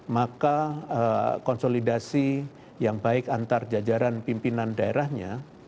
maka konsolidasi yang baik antar jajaran pimpinan daerahnya